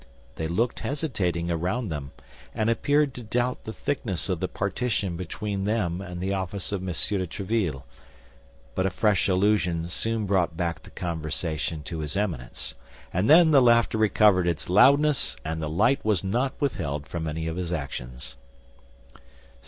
They looked hesitatingly around them, and appeared to doubt the thickness of the partition between them and the office of M. de Tréville; but a fresh allusion soon brought back the conversation to his Eminence, and then the laughter recovered its loudness and the light was not withheld from any of his actions.